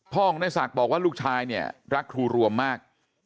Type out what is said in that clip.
พ่อของนายศักดิ์บอกว่าลูกชายเนี่ยรักครูรวมมาก